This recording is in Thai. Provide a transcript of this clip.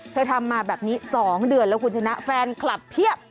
ทำมาแบบนี้๒เดือนแล้วคุณชนะแฟนคลับเพียบ